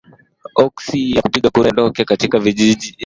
oksi ya kupigia kura yaondoke katika vijiji ambavyo